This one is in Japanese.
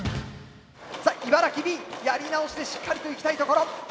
さあ茨城Ｂやり直してしっかりといきたいところ。